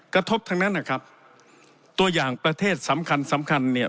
กระทบทั้งนั้นนะครับตัวอย่างประเทศสำคัญสำคัญเนี่ย